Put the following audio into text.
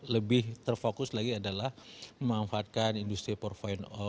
lebih terfokus lagi adalah memanfaatkan industri profile o